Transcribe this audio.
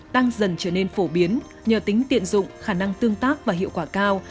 đang dần trở nên phổ biến nhờ tính tiện dụng khả năng tương tác và hiệu quả cao